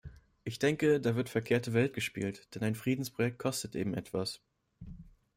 Ich denke, da wird verkehrte Welt gespielt, denn ein Friedensprojekt kostet eben etwas.